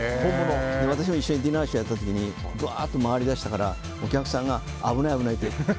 私も一緒にディナーショーをやった時にぶわーっと回りだしたからお客さんが危ない、危ないって。